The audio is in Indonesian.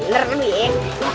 bener lu ya